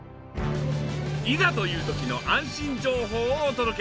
いざという時の安心情報をお届け。